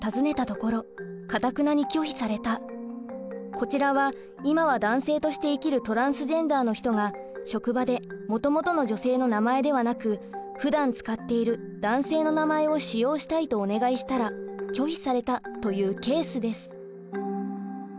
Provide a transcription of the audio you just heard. こちらは今は男性として生きるトランスジェンダーの人が職場でもともとの女性の名前ではなくふだん使っている男性の名前を使用したいとお願いしたら拒否されたというケースです。